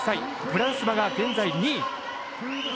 ブランスマが現在２位。